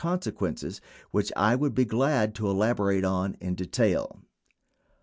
706 consequences which I would be glad to elaborate on in detail.